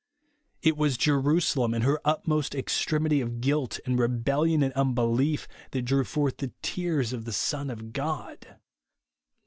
It was Jerusalem, in her utmost extremity of guilt, and rebellion, and unbelief, that drew forth the tears of the Son of God.